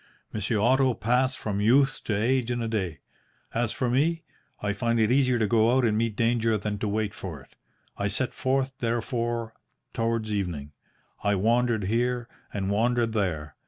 Monsieur Otto passed from youth to age in a day. As for me, I find it easier to go out and meet danger than to wait for it. I set forth, therefore, towards evening. I wandered here, and wandered there.